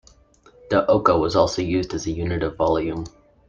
The oka was also used as a unit of volume.